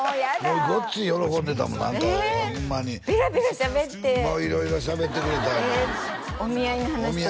もうごっつい喜んでたもん何かホンマにペラペラしゃべってもう色々しゃべってくれたがなお見合いの話とかも？